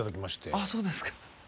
ああそうですか。